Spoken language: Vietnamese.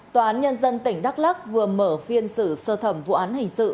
tòa án nhân dân tỉnh đắk lắc vừa mở phiên xử sơ thẩm vụ án hình sự